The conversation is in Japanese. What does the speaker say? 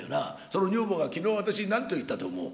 その女房が、きのう、私になんと言ったと思う？